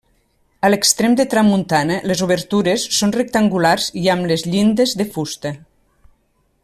A l'extrem de tramuntana, les obertures són rectangulars i amb les llindes de fusta.